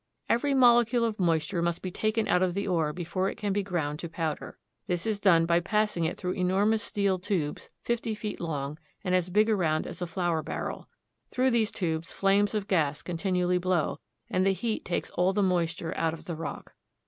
Every molecule of moisture must be taken out of the ore before it can be ground to powder. This is done by passing it through enormous steel tubes fifty feet long and as big around as a flour barrel. Through these tubes flames of gas continually blow, and the heat takes all the moisture out of the rock.